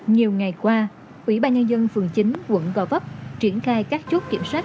nhiều ngày qua ủy ban nhân dân phường chín quận gò vấp triển khai các chốt kiểm soát